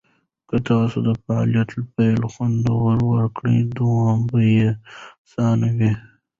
که تاسو د فعالیت پیل خوندور کړئ، دوام به یې اسانه شي.